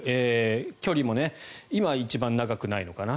距離も今は一番長くないのかな。